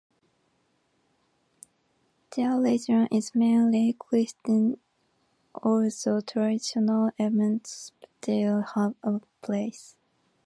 Their religion is mainly Christian although traditional elements still have a place.